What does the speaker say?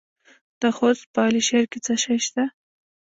د خوست په علي شیر کې څه شی شته؟